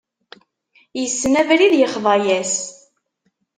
Issen abrid, ixḍa-yas.